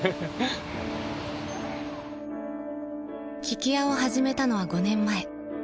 ［聞き屋を始めたのは５年前］